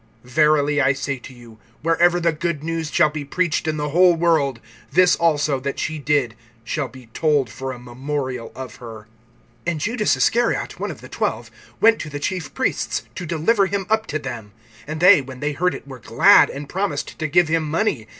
(9)Verily I say to you, wherever the good news shall be preached in the whole world, this also that she did shall be told for a memorial of her. (10)And Judas Iscariot, one of the twelve, went to the chief priests, to deliver him up to them. (11)And they, when they heard it, were glad, and promised to give him money.